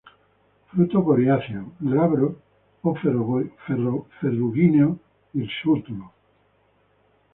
Fruto coriáceo, glabro a ferrugíneo-hirsútulo.